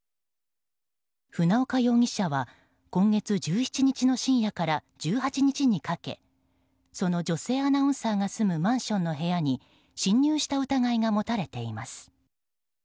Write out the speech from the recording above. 船岡容疑者は今月１７日の深夜から１８日にかけその女性アナウンサーが住むマンションの部屋に侵入した疑いが持たれています。